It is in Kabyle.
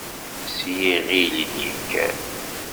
S yiɣil i d-yekker.